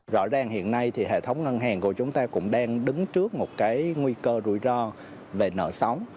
rõ ràng hiện nay thì hệ thống ngân hàng của chúng ta cũng đang đứng trước một cái nguy cơ rủi ro về nợ xấu